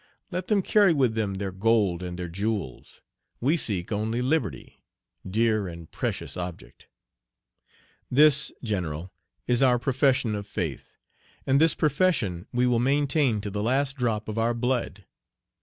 Let them carry with them their gold and their jewels; Page 52 we seek only liberty, dear and precious object! This, general, is our profession of faith; and this profession we will maintain to the last drop of our blood.